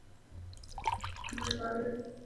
بھارت پاگل ہے؟